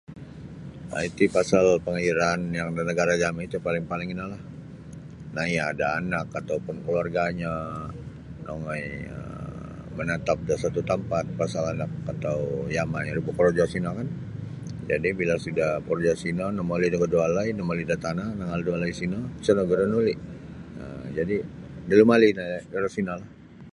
um iti pasal panghijrahan yang da nagara' jami' ti paling-paling inolah naya' da anak atau pun kaluarganyo nongoi um manatap da satu' tampat pasal anak atau yama'nyo ri bokorojo sino kan jadi' bila sudah bokorojo sino nomoli nogu da walai nomoli da tana' nangaal da walai sino isa' nogu iro nuli' jadi' linumalilah iro sino.